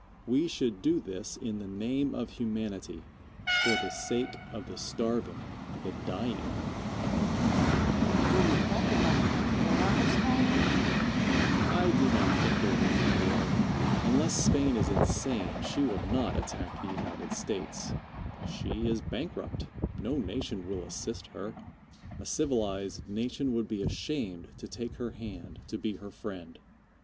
We should do this in the name of humanity for the sake of the starving, the dying. Question. Do you think we are going to have war with Spain? Answer. I do not think there will be war. Unless Spain is insane, she will not attack the United States. She is bankrupt. No nation will assist her. A civilized nation would be ashamed to take her hand, to be her friend.